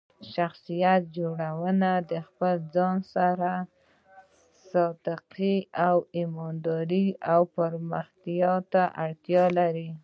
شخصیت جوړونه د خپل ځان سره د صادقۍ او ایماندارۍ پراختیا ته اړتیا لري.